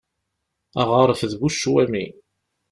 Aɣaref d bu ccwami.